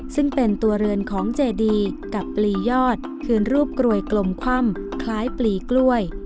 ซึ่งเป็นตัวเรือนของเจดีกับปลียอดคืนรูปกรวยกลมคว่ำคล้ายปลีกล้วย